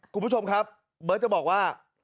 คุณผู้ชมครับเบิร์ตจะบอกว่า